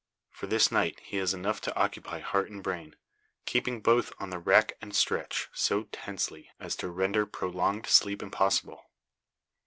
For this night he has enough to occupy heart and brain keeping both on the rack and stretch, so tensely as to render prolonged sleep impossible.